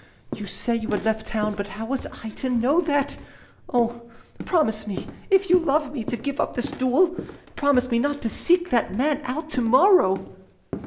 You say you had left town but how was I to know that? Oh! promise me, if you love me, to give up this duel! Promise me not to seek that man out to morrow!"